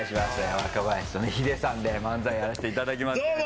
若林とヒデさんで漫才やらせていただきますけれども。